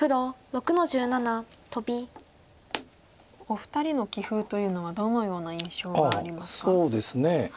お二人の棋風というのはどのような印象がありますか？